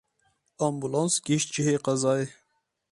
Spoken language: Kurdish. Ambûlans gihîşt cihê qezayê.